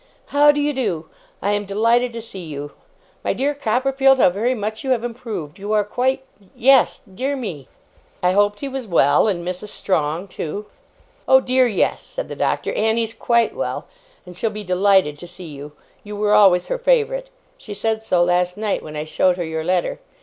How do you do? I am delighted to see you. My dear Copperfield, how very much you have improved! You are quite yes dear me!' I hoped he was well, and Mrs. Strong too. 'Oh dear, yes!' said the Doctor; 'Annie's quite well, and she'll be delighted to see you. You were always her favourite. She said so, last night, when I showed her your letter.